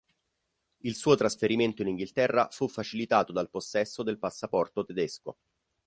Il suo trasferimento in Inghilterra fu facilitato dal possesso del passaporto tedesco.